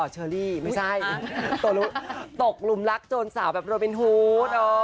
อ๋อเชอร์รี่ไม่ใช่ตกลุ่มรักจนสาวแบบโดยเป็นฮูต